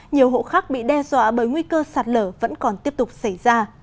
nhiều hộ khác bị đe dọa bởi nguy cơ sạt lở vẫn còn tiếp tục xảy ra